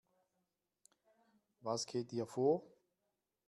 Was geht hier vor?